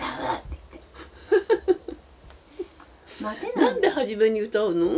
何で初めに歌うの？